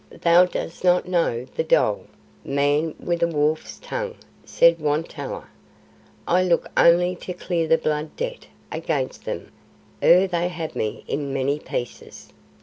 "Thou dost not know the dhole, man with a wolf's tongue," said Won tolla. "I look only to clear the Blood Debt against them ere they have me in many pieces.